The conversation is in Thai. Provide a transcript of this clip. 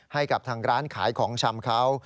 ให้กับทางร้านขายของชำเขา